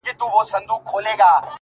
• او بخښنه مي له خدایه څخه غواړم,,!